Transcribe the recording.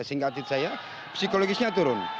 sehingga atlet saya psikologisnya turun